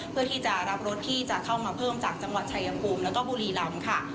เพื่อที่จะรับรถที่จะเข้ามาเพิ่มจากจังหวัดชายภูมิแล้วก็บุรีลำค่ะ